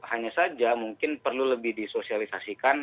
hanya saja mungkin perlu lebih disosialisasikan